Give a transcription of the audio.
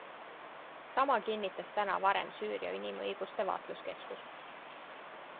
Sama kinnitas täna varem Süüria Inimõiguste Vaatluskeskus.